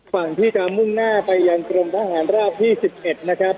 ฝั่งที่กามุ่งหน้าไปยังกรมทหานราบที่สิบเอ็ดนะครับ